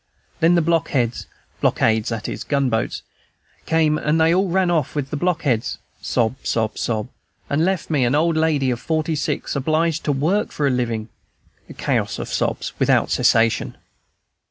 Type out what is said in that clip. "Then the blockheads' [blockades, that is, gunboats] 'came, and they all ran off with the blockheads,' (sob, sob, sob,) 'and left me, an old lady of forty six, obliged to work for a living.' (Chaos of sobs, without cessation.)